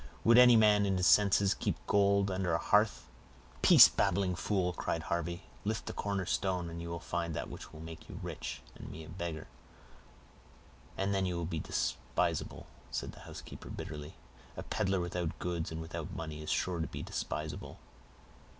"Would any man in his senses keep gold under a hearth?" "Peace, babbling fool!" cried Harvey. "Lift the corner stone, and you will find that which will make you rich, and me a beggar." "And then you will be despisable," said the housekeeper bitterly. "A peddler without goods and without money is sure to be despisable."